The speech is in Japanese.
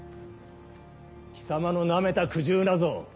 貴様のなめた苦汁なぞ